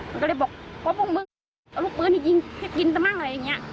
มันก็เลยบอกว่าพวกมึงเอาลูกปืนยิงให้กินซะมั่งอะไรอย่างนี้